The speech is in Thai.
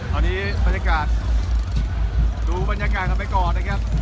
ตอนนี้บรรยากาศดูบรรยากาศทำให้กอดนะครับ